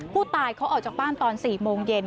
ผู้ตายเขาออกจากบ้านตอน๔โมงเย็น